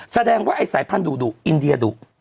แสดงว่าไอ้สายพันธุดุอินเดียดุ